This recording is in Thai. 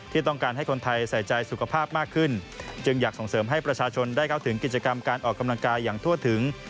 ที่ต้องการให้คนไทยใส่ใจสุขภาพมากขึ้นจึงอยากส่งเสริมให้ประชาชนได้เข้าถึงกิจกรรมการออกกำลังกายอย่างทั่วถึง